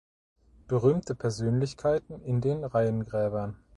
Berühmte Persönlichkeiten in den Reihengräbern